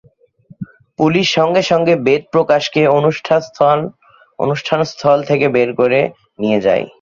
Police সঙ্গে সঙ্গে বেদ প্রকাশকে অনুষ্ঠানস্থল থেকে বের করে নিয়ে যায়।